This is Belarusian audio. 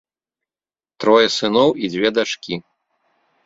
Трое сыноў і дзве дачкі.